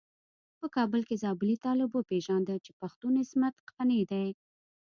په کابل کې زابلي طالب وپيژانده چې پښتون عصمت قانع دی.